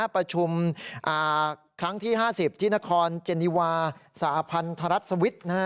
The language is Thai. ประชุมครั้งที่๕๐ที่นครเจนิวาสหพันธรัฐสวิทย์